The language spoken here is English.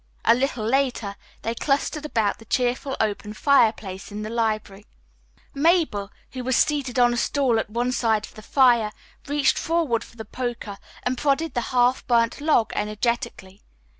A little later they clustered about the cheerful open fireplace in the library. Mabel, who was seated on a stool at one side of the fire, reached forward for the poker and prodded the half burnt log energetically.